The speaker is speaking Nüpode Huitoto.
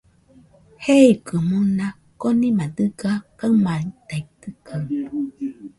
Jeikɨaɨ mona, konima dɨga kaɨmaitaitɨkaɨ